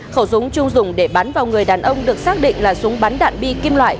khẩu súng chu dùng để bán vào người đàn ông được xác định là súng bắn đạn bi kim loại